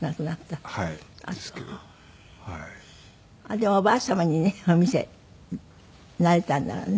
でもおばあ様にね見せられたんならね。